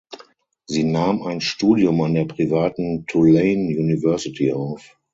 Sie nahm ein Studium an der privaten Tulane University auf.